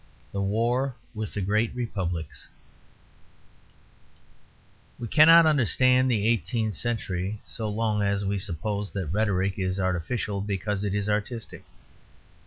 XV THE WAR WITH THE GREAT REPUBLICS We cannot understand the eighteenth century so long as we suppose that rhetoric is artificial because it is artistic.